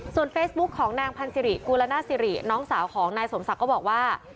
เฟซบุ๊คของนางพันธิริกุลนาสิริน้องสาวของนายสมศักดิ์ก็บอกว่า